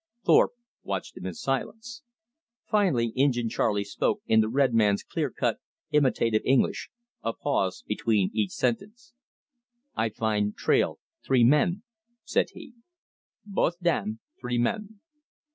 Thorpe watched him in silence. Finally Injin Charley spoke in the red man's clear cut, imitative English, a pause between each sentence. "I find trail three men," said he. "Both dam, three men.